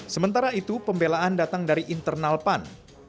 sementara itu pembelaan datang dari internal pan